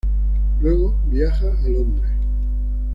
Luego viaja a Londres.